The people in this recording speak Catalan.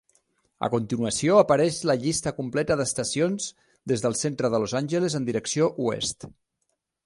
A continuació apareix la llista completa d'estacions des del centre de Los Angeles en direcció oest.